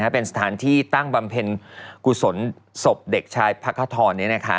เป็นสถานที่ตั้งบำเพ็ญกุศลศพเด็กชายพระคธร